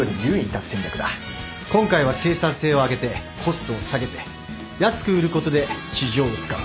今回は生産性を上げてコストを下げて安く売ることで市場をつかむ